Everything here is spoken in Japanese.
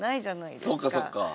そっかそっか。